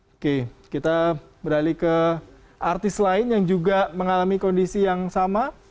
oke kita beralih ke artis lain yang juga mengalami kondisi yang sama